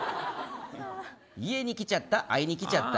家に来ちゃった会いに来ちゃった。